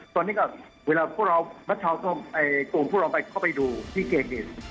ตอนนี้ก็เวลาพวกเรากลุ่มพวกเราไปเข้าไปดูที่เกณฑ์เนี่ย